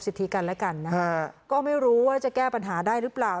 สิทธิกันและกันนะฮะก็ไม่รู้ว่าจะแก้ปัญหาได้หรือเปล่า